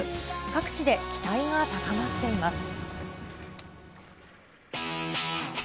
各地で期待が高まっています。